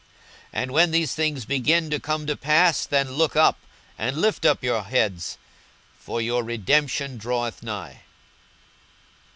42:021:028 And when these things begin to come to pass, then look up, and lift up your heads; for your redemption draweth nigh.